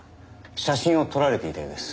写真を撮られていたようです。